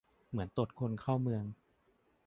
เหมือนตรวจคนเข้าเมือง